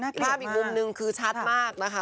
ภาพอีกมุมนึงคือชัดมากนะคะ